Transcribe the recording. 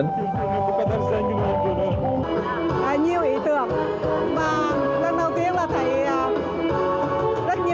nhiều ý tưởng và lần đầu tiên là thấy rất nhiều nhân viên